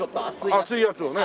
厚いやつをね。